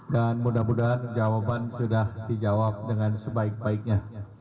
dan mudah mudahan jawaban sudah dijawab dengan sebaik baiknya